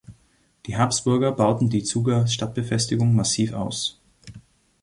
Die Habsburger bauten die Zuger Stadtbefestigung massiv aus.